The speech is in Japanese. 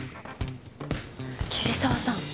桐沢さん。